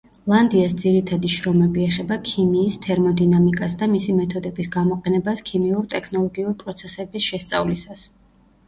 ლანდიას ძირითადი შრომები ეხება ქიმიის თერმოდინამიკას და მისი მეთოდების გამოყენებას ქიმიურ-ტექნოლოგიურ პროცესების შესწავლისას.